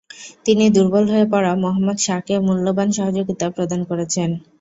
তিনি দুর্বল হয়ে পড়া মুহাম্মদ শাহকে মূল্যবান সহযোগিতা প্রদান করেছেন।